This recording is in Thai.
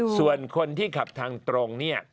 ส่วนคนที่ขับทางตรงเนี่ย